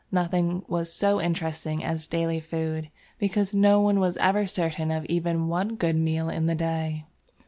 Nothing was so interesting as daily food, because no one was ever certain of even one good meal in the day.